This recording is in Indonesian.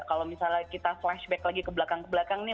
kalau misalnya kita flashback lagi ke belakang kebelakang nih